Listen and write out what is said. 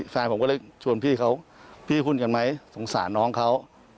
แฟนผมก็เลยชวนพี่เขาพี่หุ้นกันไหมสงสารน้องเขา